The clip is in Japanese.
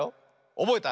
おぼえた？